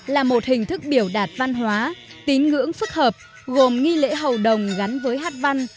là một hình thức biểu đạt văn hóa tín ngưỡng phức hợp gồm nghi lễ hầu đồng gắn với hát văn